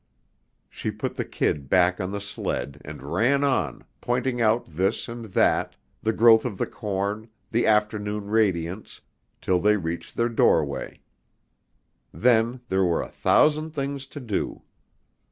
She put the kid back on the sled, and ran on, pointing out this and that, the growth of the corn, the afternoon radiance, till they reached their doorway. Then there were a thousand things to do.